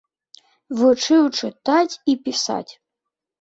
Вучыў чытаць і пісаць.